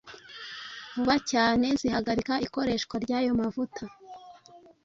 vuba cyane" zihagarika ikoreshwa ry'ayo mavuta.